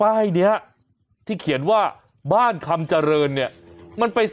วัยรุ่นที่คุกขนองเป็นอุบัติเหตุในทางที่ผิด